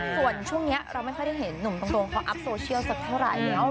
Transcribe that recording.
ส่วนช่วงนี้เราไม่ค่อยได้เห็นหนุ่มตรงเขาอัพโซเชียลสักเท่าไหร่